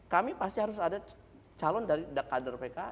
kami pasti harus ada calon dari kader pks